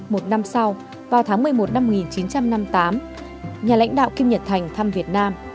một năm sau vào tháng một mươi một năm một nghìn chín trăm năm mươi tám nhà lãnh đạo kim nhật thành thăm việt nam